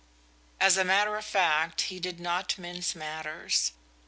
As a matter of fact, he did not mince matters.